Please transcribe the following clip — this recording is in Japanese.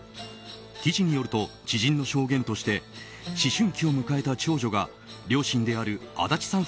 記事によると、知人の証言として思春期を迎えた長女が両親である安達さん